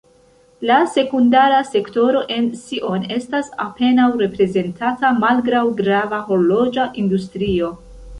La sekundara sektoro en Sion estas apenaŭ reprezentata malgraŭ grava horloĝa industrio.